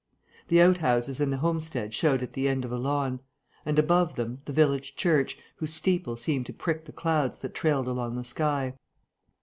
The outhouses and the homestead showed at the end of a lawn; and, above them, the village church, whose steeple seemed to prick the clouds that trailed along the sky.